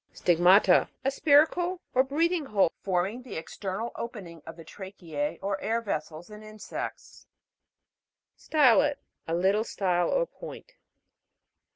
STIG'MATA. A spiracle or breathing. hole, forming the external opening of the tracheae or air vessels, in insects. STI'LET. A little stile or point.